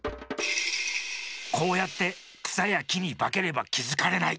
こうやってくさやきにばければきづかれない。